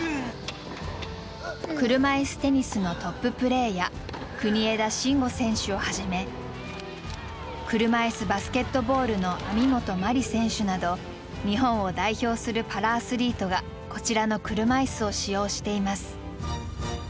車いすテニスのトッププレーヤー国枝慎吾選手をはじめ車いすバスケットボールの網本麻里選手など日本を代表するパラアスリートがこちらの車いすを使用しています。